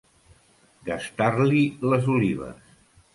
Gastar-li les olives.